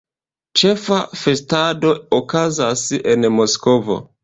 Ĉefa festado okazas en Moskvo.